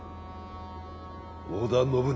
織田信長